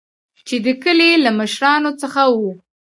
چې د کلي له مشران څخه وو.